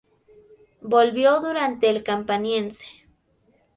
Vivió durante el Campaniense.